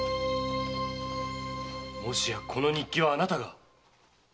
もしやこの日記はあなたが？